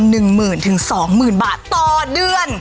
๑หมื่นถึง๒หมื่นบาทต่อเดือน